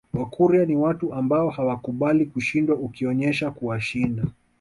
Wakurya ni watu ambao hawakubali kushindwa ukionesha kuwashinda